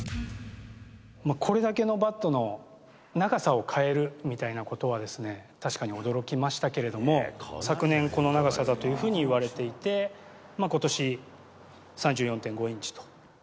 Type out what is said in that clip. これだけのバットの長さを変えるみたいなことはですね、確かに驚きましたけれども、昨年、この長さだというふうにいわれていて、ことし、３４．５インチと。